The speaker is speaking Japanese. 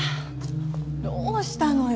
どうしたのよ？